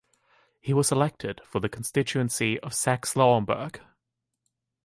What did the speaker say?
He was elected for the constituency of Saxe-Lauenburg.